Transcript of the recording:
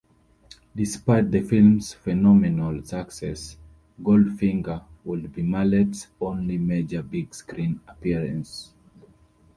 Despite the film's phenomenal success, "Goldfinger" would be Mallet's only major big screen appearance.